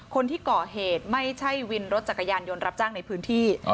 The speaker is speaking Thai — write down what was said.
คนที่ก่อเหตุไม่ใช่วินรถจักรยานยนต์รับจ้างในพื้นที่